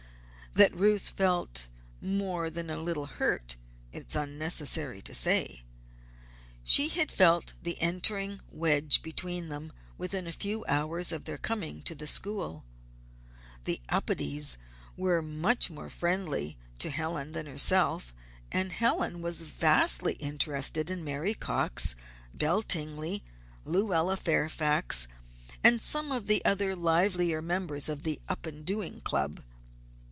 That Ruth felt more than a little hurt, it is unnecessary to say. She had felt the entering wedge between them within a few hours of their coming to the school. The Upedes were much more friendly to Helen than to herself, and Helen was vastly interested in Mary Cox, Belle Tingley, Lluella Fairfax, and some of the other livelier members of the Up and Doing Club.